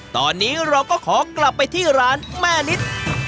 ตอนนี้เราก็ขอกลับไปที่ร้านแม่นิด